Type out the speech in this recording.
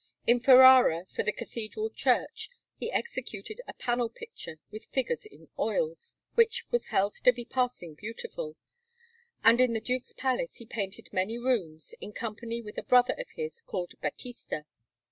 In Ferrara, for the Cathedral Church, he executed a panel picture with figures in oils, which was held to be passing beautiful; and in the Duke's Palace he painted many rooms, in company with a brother of his, called Battista.